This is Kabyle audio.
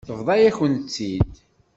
Tebḍa-yakent-tt-id.